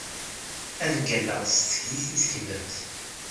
Ad ggalleɣ s tekdit i tekbabt.